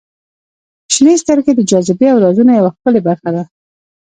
• شنې سترګې د جاذبې او رازونو یوه ښکلې برخه ده.